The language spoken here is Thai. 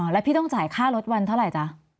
แล้วพี่ต้องจ่ายค่ารถวันเท่าไหร่จ๊ะ